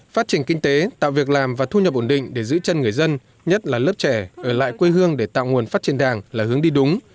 phát triển kinh tế tạo việc làm và thu nhập ổn định để giữ chân người dân nhất là lớp trẻ ở lại quê hương để tạo nguồn phát triển đảng là hướng đi đúng